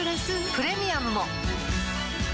プレミアムも